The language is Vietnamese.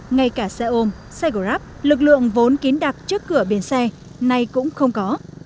ngay cả xe ôm xe gồ ráp lực lượng vốn kín đặc trước cửa bến xe nay cũng không có